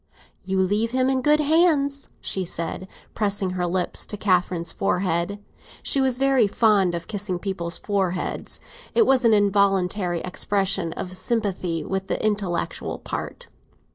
"You leave him in good hands," she said, pressing her lips to Catherine's forehead. (She was very fond of kissing people's foreheads; it was an involuntary expression of sympathy with the intellectual part.)